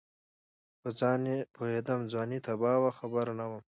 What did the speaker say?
په ځان چې پوهېدم ځواني تباه وه خبر نه وم